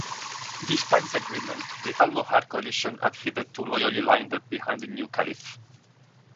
Despite disagreements, the Almohad coalition had hitherto loyally lined up behind the new caliph.